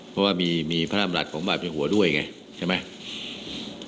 เพราะว่ามีพระรำรัฐของบาทอยู่หัวด้วยไงใช่ไหม